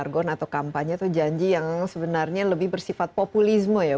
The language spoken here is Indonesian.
jargon atau kampanye itu janji yang sebenarnya lebih bersifat populisme ya